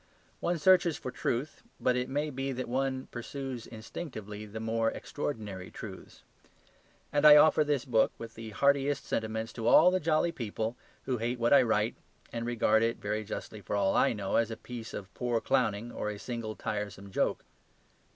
One searches for truth, but it may be that one pursues instinctively the more extraordinary truths. And I offer this book with the heartiest sentiments to all the jolly people who hate what I write, and regard it (very justly, for all I know), as a piece of poor clowning or a single tiresome joke.